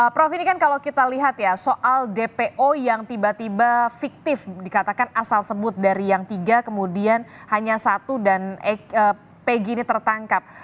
prof ini kan kalau kita lihat ya soal dpo yang tiba tiba fiktif dikatakan asal sebut dari yang tiga kemudian hanya satu dan pg ini tertangkap